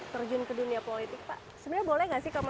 terjun ke dunia politik pak